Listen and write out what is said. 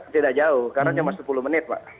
tidak jauh karena cuma sepuluh menit pak